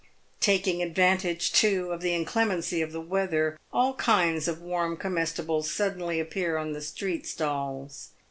Taking advantage, too, of the "inclemency" of the weather, all kinds of warm comestibles suddenly appear on the 8 PAVED WITH GOLD. street stalls.